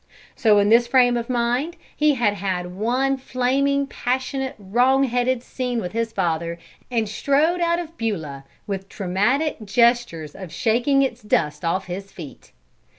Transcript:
So, in this frame of mind he had had one flaming, passionate, wrong headed scene with his father, and strode out of Beulah with dramatic gestures of shaking its dust off his feet.